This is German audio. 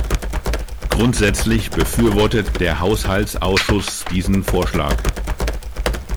Grundsätzlich befürwortet der Haushaltsausschuss diesen Vorschlag.